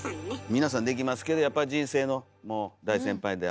皆さんできますけどやっぱり人生の大先輩であります